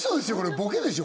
ボケでしょ？